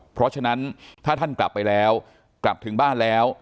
เพราะฉะนั้นถ้าท่านกลับไปแล้วกลับถึงบ้านแล้ว